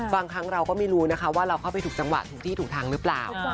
บางครั้งเราก็ไม่รู้นะคะว่าเราเข้าไปถูกจังหวะถูกที่ถูกทางหรือเปล่า